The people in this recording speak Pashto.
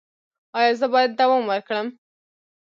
ایا زه باید دوام ورکړم؟